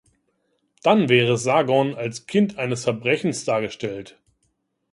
Dann wäre Sargon als Kind eines Verbrechens dargestellt.